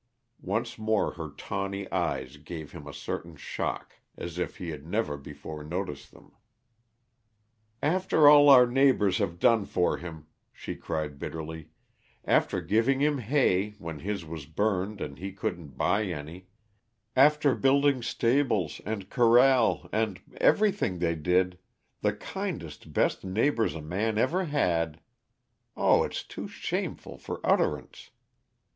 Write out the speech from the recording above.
Once more her tawny eyes gave him a certain shock, as if he had never before noticed them. "After all our neighbors have done for him," she cried bitterly; "after giving him hay, when his was burned and he couldn't buy any; after building stables, and corral, and everything they did the kindest, best neighbors a man ever had oh, it's too shameful for utterance!